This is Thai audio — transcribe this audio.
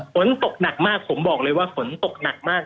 ฝนตกหนักมากผมบอกเลยว่าฝนตกหนักมาก